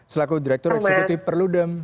selaku direktur eksekutif perludem